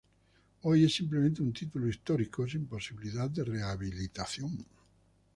Hoy es simplemente un título histórico sin posibilidad de rehabilitación.